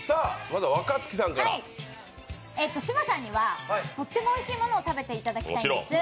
芝さんにはとってもおいしいものを食べていただきたいんです。